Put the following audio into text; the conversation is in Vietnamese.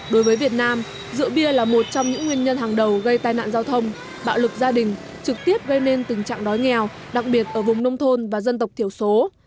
đối với việt nam rượu bia là một trong những nguyên nhân hàng đầu gây tai nạn giao thông bạo lực gia đình trực tiếp gây nên tình trạng đói nghèo đặc biệt ở vùng nông thôn và dân tộc thiểu số